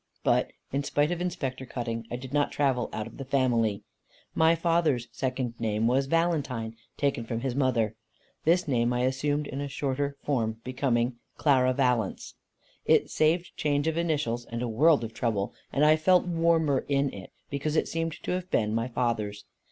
But, in spite of Inspector Cutting, I did not travel out of the family. My father's second name was "Valentine," taken from his mother. This name I assumed in a shorter form, becoming "Clara Valence;" it saved change of initials and a world of trouble, and I felt warmer in it, because it seemed to have been my father's.